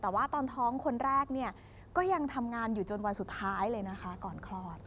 แต่ว่าตอนท้องคนแรกเนี่ยก็ยังทำงานอยู่จนวันสุดท้ายเลยนะคะก่อนคลอด